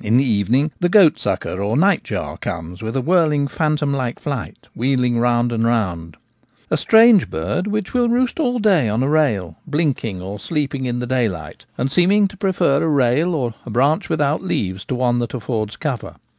In the evening the goat sucker or nightjar comes with a whirling phantom like flight, wheeling round and round: a strange bird, which will roost all day on a rail, blinking or sleeping in the daylight, and seeming to prefer a rail or a branch without leaves to one that affords cover.